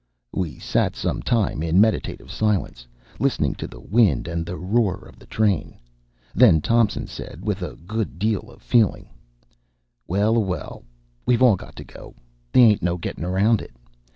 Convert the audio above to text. We sat some time, in meditative silence, listening to the wind and the roar of the train; then Thompson said, with a good deal of feeling, "Well a well, we've all got to go, they ain't no getting around it.